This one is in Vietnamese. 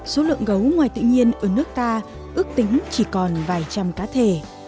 số lượng gấu ngoài tự nhiên ở nước ta ước tính chỉ còn vài trăm cá thể